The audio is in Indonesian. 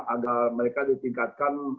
agar mereka ditingkatkan